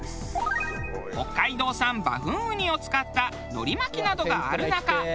北海道産バフンウニを使った海苔巻きなどがある中。